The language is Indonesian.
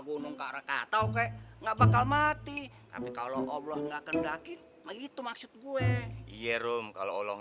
gunung kata oke nggak bakal mati tapi kalau allah nggak kendakin begitu maksud gue iyerum kalau allah